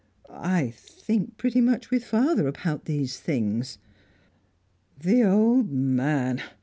"I think pretty much with father about these things." "The old man!